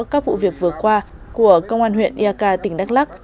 các vụ việc vừa qua của công an huyện eak tỉnh đắk lắc